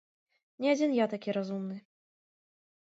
Не адзін я такі разумны.